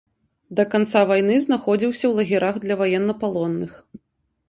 Да канца вайны знаходзіўся ў лагерах для ваеннапалонных.